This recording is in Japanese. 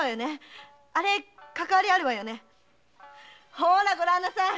ほらごらんなさい。